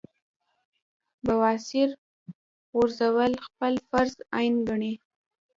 بواسير غورزول خپل فرض عېن ګڼي -